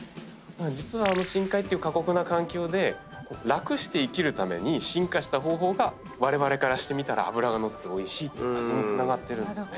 実は深海っていう過酷な環境で楽して生きるために進化した方法がわれわれからしてみたら脂が乗ってておいしいっていう味につながってるんですね。